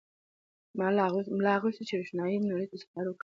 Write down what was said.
ملا غوښتل چې د روښنایۍ نړۍ ته سفر وکړي.